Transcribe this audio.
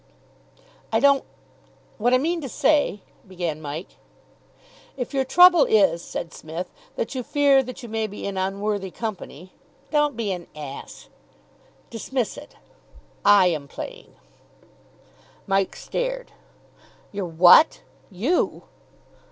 "I don't What I mean to say " began Mike. "If your trouble is," said Psmith, "that you fear that you may be in unworthy company " "Don't be an ass." " Dismiss it. I am playing." Mike stared. "You're what? You?"